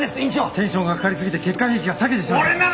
テンションがかかりすぎて血管壁が裂けてしまいますよ。